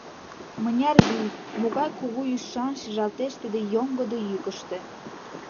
Мыняр вий, могай кугу ӱшан шижалтеш тиде йоҥгыдо йӱкыштӧ!